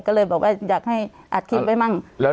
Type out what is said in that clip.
ก็เลยบอกว่าอยากให้อัดคลิปไว้มั่ง